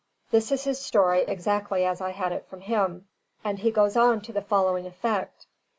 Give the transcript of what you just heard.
This is his story, exactly as I had it from him." And he goes on to the following effect.